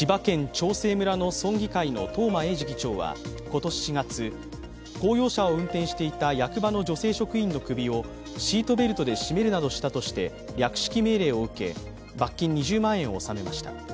長生村の村議会の東間永次議長は今年４月、公用車を運転していた役場の女性職員の首を、シートベルトで絞めるなどしたとして略式命令を受け罰金２０万円を納めました。